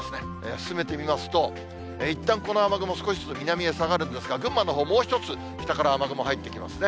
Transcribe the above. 進めてみますと、いったん、この雨雲、少しずつ南へ下がるんですが、群馬のほう、もう一つ、北から雨雲入ってきますね。